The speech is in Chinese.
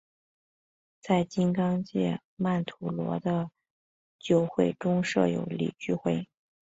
在金刚界曼荼罗的九会中设有理趣会。